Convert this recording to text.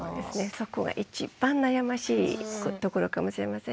そこが一番悩ましいところかもしれませんよね。